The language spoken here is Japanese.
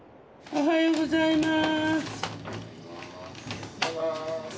おはようございます。